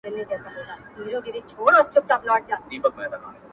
ځان را څخه هېر سي دا چي کله ته را یاد سې،